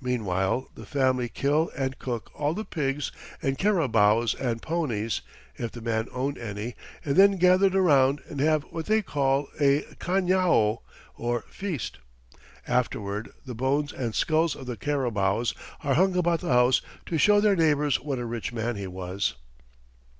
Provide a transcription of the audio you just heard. Meanwhile, the family kill and cook all the pigs and carabaos and ponies, if the man owned any, and then gather around and have what they call a cañao, or feast. Afterward the bones and skulls of the carabaos are hung about the house to show their neighbours what a rich man he was.